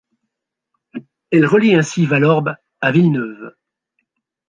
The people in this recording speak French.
Elle relie ainsi Vallorbe à Villeneuve.